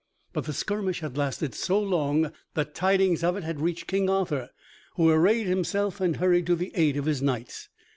But the skirmish had lasted so long that tidings of it had reached King Arthur, who arrayed himself and hurried to the aid of his knights.